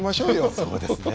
そうですね。